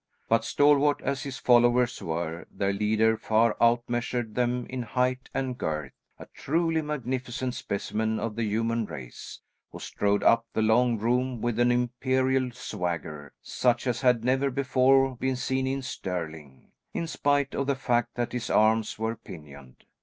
But, stalwart as his followers were, their leader far outmeasured them in height and girth; a truly magnificent specimen of the human race, who strode up the long room with an imperial swagger such as had never before been seen in Stirling, in spite of the fact that his arms were pinioned.